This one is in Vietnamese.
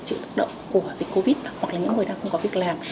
trực động của dịch covid hoặc là những người đang không có việc làm